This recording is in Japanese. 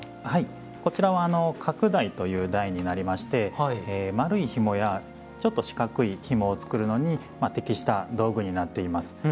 こちらは角台という台になりまして丸いひもやちょっと四角いひもを作るのに適した道具になっています。